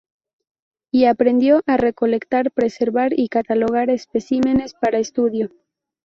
Y aprendió a recolectar, preservar y catalogar especímenes para estudio.